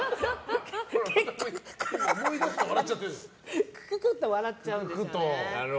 結局、クククって笑っちゃうんですよね。